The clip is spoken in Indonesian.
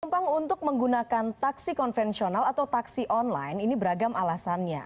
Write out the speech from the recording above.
penumpang untuk menggunakan taksi konvensional atau taksi online ini beragam alasannya